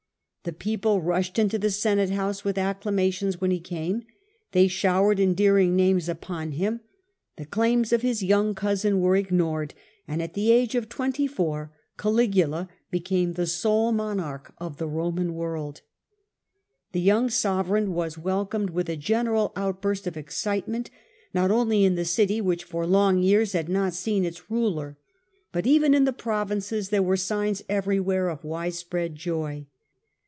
The people rushed into the Senate House with acclamations when he came, they showered endearing names upon him, the claims of his ,,. young cousin were ignored, and at the age ot whose claims, *', however, twcnty four Caligula became the sole mo were Ignored, of Roman world. The young sove reign was welcomed with a general outburst of excitement. Not only in the city which for long years had not seen its ruler, but even in the provinces, there were signs every where of widespread joy.